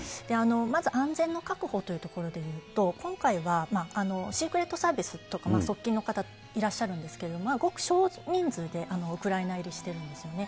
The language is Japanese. まず安全の確保というところで言うと、今回はシークレットサービスとか、側近の方いらっしゃるんですけれども、極少人数でウクライナ入りしているんですよね。